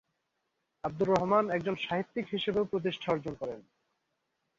আবদুর রহমান একজন সাহিত্যিক হিসেবেও প্রতিষ্ঠা অর্জন করেন।